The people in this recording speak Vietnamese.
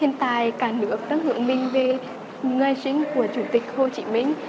hiện tại cả nước rất hưởng minh về người sinh của chủ tịch hồ chí minh